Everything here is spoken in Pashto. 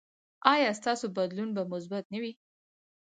ایا ستاسو بدلون به مثبت نه وي؟